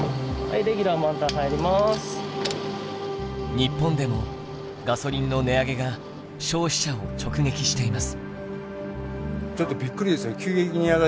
日本でもガソリンの値上げが消費者を直撃しています。